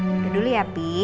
udah dulu ya pi